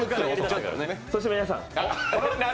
そして皆さん！